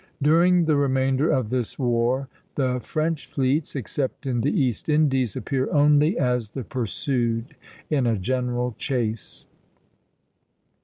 During the remainder of this war the French fleets, except in the East Indies, appear only as the pursued in a general chase.